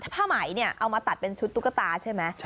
ผ้าไหมเนี่ยเอามาตัดเป็นชุดตุ๊กตาใช่ไหม